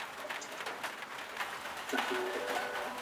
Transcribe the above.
条纹刺铠虾为铠甲虾科刺铠虾属下的一个种。